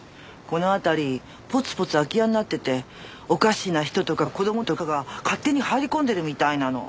この辺りポツポツ空き家になってておかしな人とか子供とかが勝手に入り込んでるみたいなの。